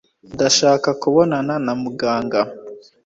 ndashaka kubonana na muganga